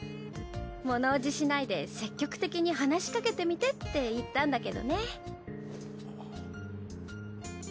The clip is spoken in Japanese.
ものおじしないで積極的に話しかけてみてって言ったんだけどね。